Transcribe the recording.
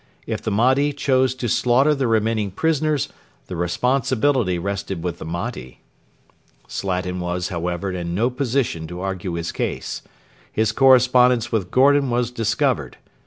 If the Mahdi chose to slaughter the remaining prisoners, the responsibility rested with the Mahdi. Slatin was, however, in no position to argue his case. His correspondence with Gordon was discovered.